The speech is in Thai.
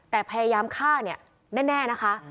แต่พยายามฆ่าเนี่ยแน่นะคะ